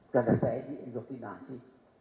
karena saya di indovinasi